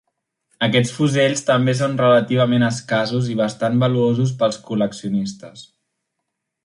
Aquests fusells també són relativament escassos i bastant valuosos pels col·leccionistes.